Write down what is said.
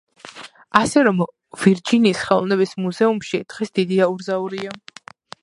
ასე რომ ვირჯინიის ხელოვნების მუზეუმში დღეს დიდი აურზაურია.